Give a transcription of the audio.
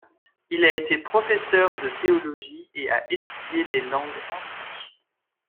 Il a été professeur de théologie et a étudié les langues antiques.